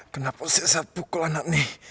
kenapa setelah saya memburu anak